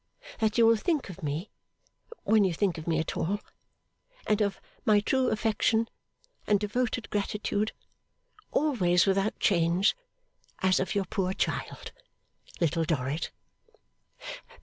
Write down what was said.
That you will think of me (when you think of me at all), and of my true affection and devoted gratitude, always without change, as of Your poor child, LITTLE DORRIT.